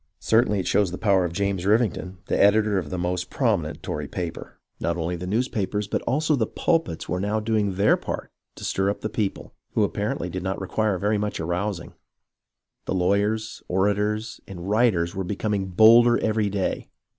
Certainly it shows the power of James Rivington, the editor of the most prominent Tory paper. Not only the newspapers, but also the pulpits, were now doing their part to stir up the people, who apparently did not require very much arousing. The lawyers, orators, and writers were becoming bolder every day.